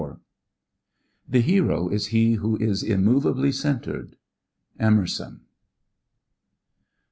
_"The hero is he who is immovably centred." Emerson.